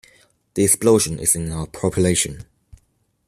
The explosion is in our population.